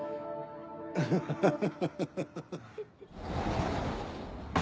ハハハハ。